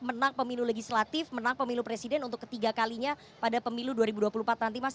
menang pemilu legislatif menang pemilu presiden untuk ketiga kalinya pada pemilu dua ribu dua puluh empat nanti mas